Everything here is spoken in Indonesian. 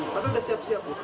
waktu udah siap siap